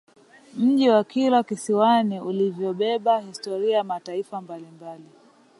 Mji wa Kilwa Kisiwani ulivyobeba historia ya mataifa mbalimbali